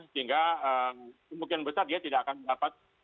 sehingga kemungkinan besar dia tidak akan mendapat